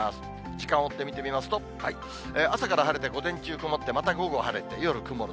時間を追って見てみますと、朝から晴れて、午前中曇って、また午後晴れて、夜曇る。